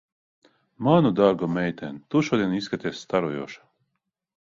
Manu dārgo meitēn, tu šodien izskaties starojoša.